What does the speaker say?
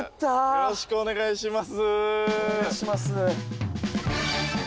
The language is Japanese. よろしくお願いします。